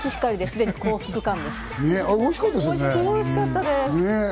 すごくおいしかったです。